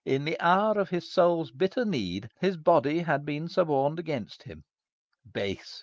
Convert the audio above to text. In the hour of his soul's bitter need, his body had been suborned against him. Base!